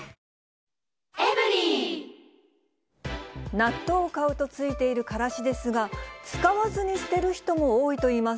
納豆を買うとついているカラシですが、使わずに捨てる人も多いといいます。